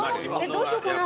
どうしようかな。